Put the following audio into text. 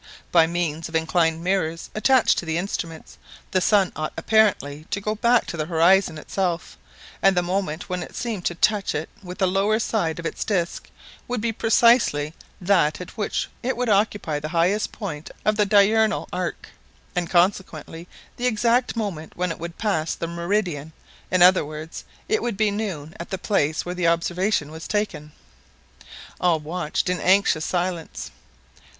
By means of inclined mirrors attached to the instruments, the sun ought apparently to go back to the horizon itself; and the moment when it seemed to touch it with the lower side of its disc would be precisely that at which it would occupy the highest point of the diurnal arc, and consequently the exact moment when it would pass the meridian in other words, it would be noon at the place where the observation was taken. All watched in anxious silence.